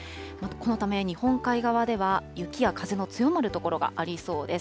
このため、日本海側では雪や風の強まる所がありそうです。